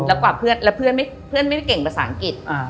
แล้วเพื่อนไม่เก่งภาษาอังกฤษ